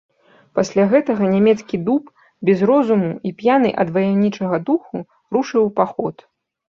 Пасля гэтага нямецкі дуб, без розуму і п'яны ад ваяўнічага духу, рушыў у паход.